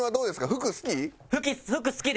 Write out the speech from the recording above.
服好き？